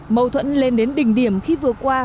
mâu thuẫn lên đến đỉnh điểm khi vừa qua